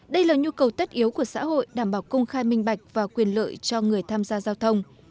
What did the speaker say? đây là nhu cầu tất yếu của xã hội đảm bảo công khai minh bạch và quyền lợi cho người tham gia giao thông